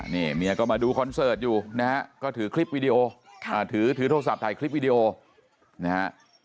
นี่เมียก็มาดูคอนเสิร์ตอยู่นะฮะก็ถือคลิปวิดีโอถือโทรศัพท์ถ่ายคลิปวิดีโอนะฮะ